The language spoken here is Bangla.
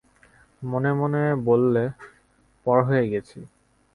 মনে মনে বললে, পর হয়ে গেছি।